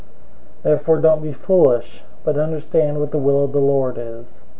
005:017 Therefore don't be foolish, but understand what the will of the Lord is.